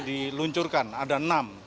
diluncurkan ada enam